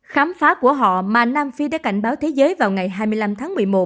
khám phá của họ mà nam phi đã cảnh báo thế giới vào ngày hai mươi năm tháng một mươi một